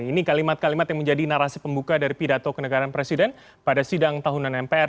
ini kalimat kalimat yang menjadi narasi pembuka dari pidato kenegaraan presiden pada sidang tahunan mpr